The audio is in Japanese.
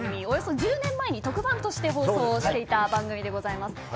およそ１０年前に特番として放送していた番組でございます。